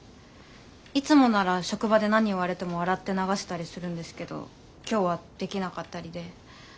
いつもなら職場で何言われても笑って流したりするんですけど今日はできなかったりで。